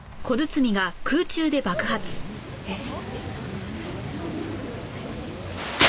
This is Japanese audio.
えっ？